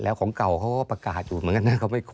แล้วของเก่าเขาก็ประกาศอยู่เหมือนกันนะ